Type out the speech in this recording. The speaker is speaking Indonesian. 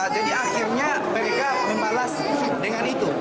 jadi akhirnya mereka membalas dengan itu